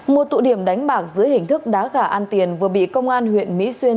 một tụ điểm đánh bạc dưới hình thức đá gà an tiền vừa bị công an huyện mỹ xuyên